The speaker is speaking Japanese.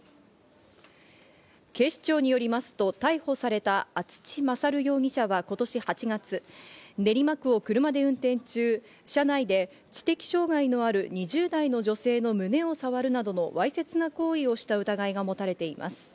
警視庁によりますと、逮捕され厚地勝容疑者は今年８月、練馬区を車で運転中、車内で知的障害のある２０代の女性の胸をさわるなどのわいせつな行為をした疑いが持たれています。